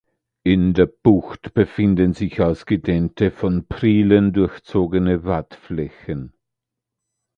In der Bucht befinden sich ausgedehnte, von Prielen durchzogene Wattflächen.